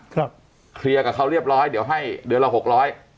เคลียร์กับเขาเรียบร้อยเดี๋ยวให้เดือนละหกร้อย